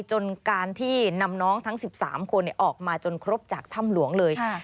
จนการที่นำน้องทั้ง๑๓คนออกมาจนครบจากถ้ำหลวงเลย